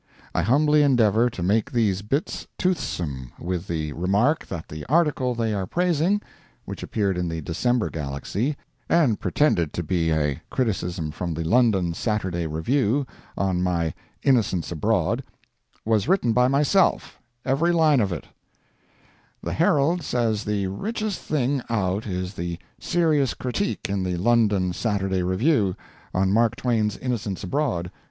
I humbly endeavor to make these bits toothsome with the remark that the article they are praising (which appeared in the December Galaxy, and pretended to be a criticism from the London "Saturday Review" on my "Innocents Abroad") was written by myself—every line of it: The "Herald" says the richest thing out is the "serious critique" in the London "Saturday Review", on Mark Twain's "Innocents Abroad."